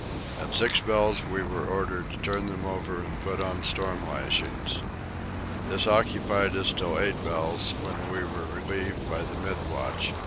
At six bells we were ordered to turn them over and put on storm lashings. This occupied us till eight bells, when we were relieved by the mid watch.